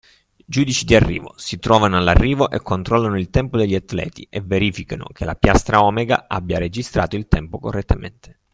Giudici di arrivo: si trovano all’arrivo e controllano il tempo degli atleti e verificano che la piastra (omega) abbia registrato il tempo correttamente